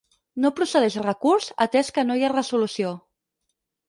No procedeix recurs atès que no hi ha resolució.